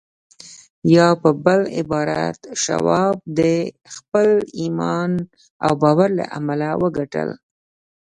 يا په بل عبارت شواب د خپل ايمان او باور له امله وګټل.